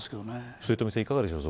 末冨さんいかがでしょう。